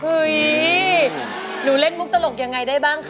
เห้ยหนูเล่นมุกตลกอย่างไรได้บ้างคะ